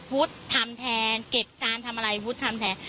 ทำแทนเก็บจานทำอะไรวุฒิทำแทน